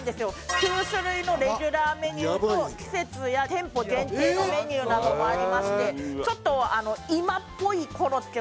９種類のレギュラーメニューと季節や店舗限定のメニューなどもありましてちょっと今っぽいコロッケを。